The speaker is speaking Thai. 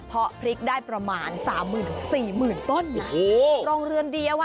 เพราะพริกได้ประมาณสามหมื่นสี่หมื่นต้นโอ้โหโรงเรือนดีอะว่ะ